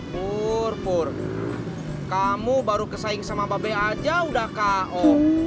pur pur kamu baru kesaing sama bape aja udah k o